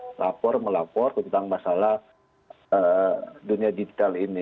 melapor melapor tentang masalah dunia digital ini